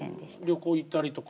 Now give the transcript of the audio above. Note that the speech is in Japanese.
旅行行ったりとか。